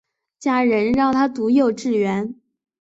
家人让她读幼稚园